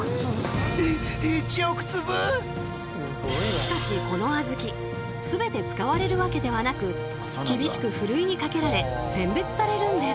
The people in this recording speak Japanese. しかしこのあずき全て使われるわけではなく厳しくふるいにかけられ選別されるんです。